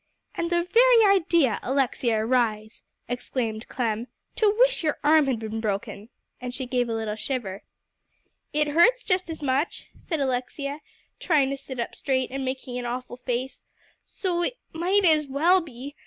"And the very idea, Alexia Rhys," exclaimed Clem, "to wish your arm had been broken!" and she gave a little shiver. "It hurts just as much," said Alexia, trying to sit up straight, and making an awful face, "so it might as well be.